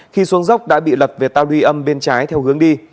khi xuống dốc đã bị lập về tàu đi âm bên trái theo hướng đi